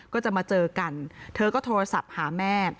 ก็จะมาเจอกันเธอก็โทรศัพท์หาแม่